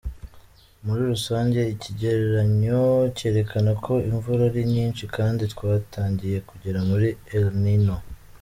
Muri rusange icyegeranyo cyerekana ko imvura ari nyinshi kandi twatangiye kugera muri El Niño.